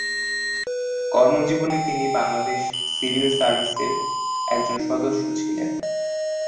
কর্মজীবনে তিনি বাংলাদেশ সিভিল সার্ভিসের একজন সদস্য ছিলেন।